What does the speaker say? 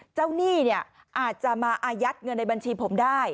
หนี้เนี่ยอาจจะมาอายัดเงินในบัญชีผมได้